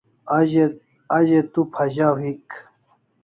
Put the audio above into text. A ze tu phazaw hik